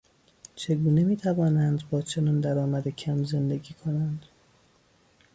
چگونه میتوانند با چنان درآمد کم زندگی کنند؟